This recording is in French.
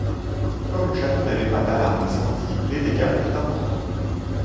Comme le château n'avait pas d'alarme incendie, les dégâts furent importants.